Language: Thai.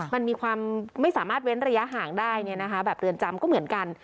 มันมีความไม่สามารถเว้นระยะห่างได้แบบเรือนจำก็เหมือนกัน